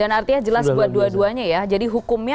dan artinya jelas buat dua duanya ya jadi hukumnya